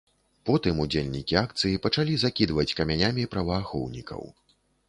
Потым удзельнікі акцыі пачалі закідваць камянямі праваахоўнікаў.